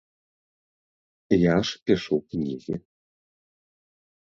Я ж пішу кнігі.